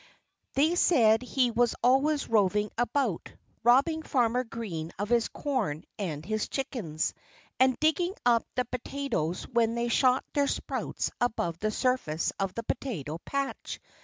They said he was always roving about, robbing Farmer Green of his corn and his chickens, and digging up the potatoes when they shot their sprouts above the surface of the potato patch.